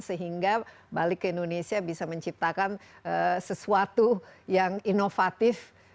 sehingga balik ke indonesia bisa menciptakan sesuatu yang inovatif